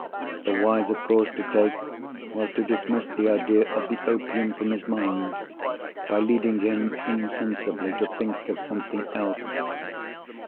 The wiser course to take was to dismiss the idea of the opium from his mind, by leading him insensibly to think of something else.